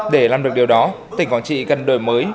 để làm được điều đó tỉnh quảng trị cần đổi mới